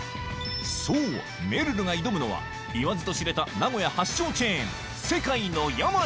そうめるるが挑むのは言わずと知れた名古屋発祥チェーン